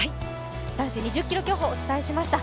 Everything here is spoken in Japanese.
男子２０ｋｍ競歩をお伝えしました。